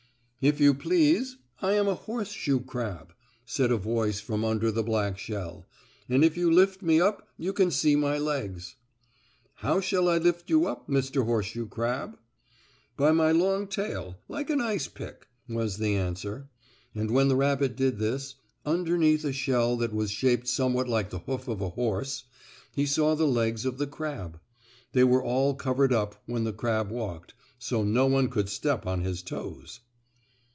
"If you please, I am a horseshoe crab," said a voice from under the black shell, "and if you lift me up you can see my legs." "How shall I lift you up, Mr. Horseshoe Crab?" "By my long tail, like an ice pick," was the answer, and when the rabbit did this, underneath a shell that was shaped somewhat like the hoof of a horse, he saw the legs of the crab. They were all covered up when the crab walked, so no one could step on his toes.